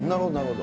なるほど。